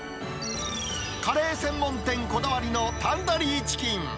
カレー専門店こだわりのタンドリーチキン。